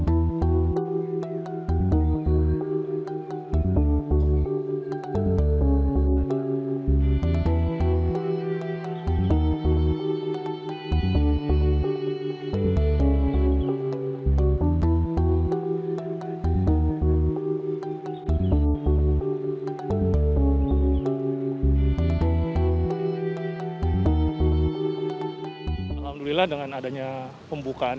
alhamdulillah dengan adanya pembukaan